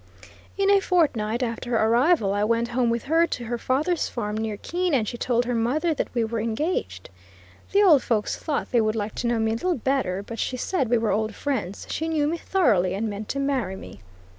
In a fortnight after her arrival I went home with her to her father's farm near Keene, and she told her mother that we were "engaged." The old folks thought they would like to know me a little better, but she said we were old friends, she knew me thoroughly, and meant to marry me.